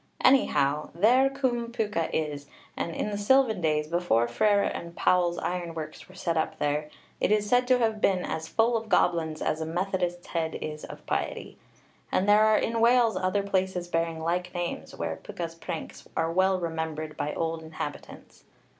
Anyhow, there Cwm Pwca is, and in the sylvan days, before Frere and Powell's ironworks were set up there, it is said to have been as full of goblins as a Methodist's head is of piety. And there are in Wales other places bearing like names, where Pwca's pranks are well remembered by old inhabitants.